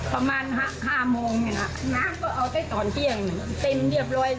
ประมาณ๕โมงใช่หรือคะน้ำก็เอาไปตอนเกี่ยงเต็มเรียบร้อยแล้ว